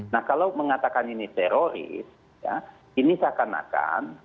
nah kalau mengatakan ini teroris ini seakan akan